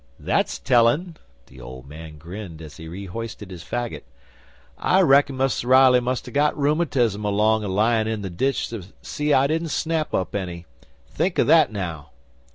'That's tellin'!' the old man grinned as he re hoisted his faggot. 'I reckon Mus' Ridley he've got rheumatism along o' lyin' in the dik to see I didn't snap up any. Think o' that now!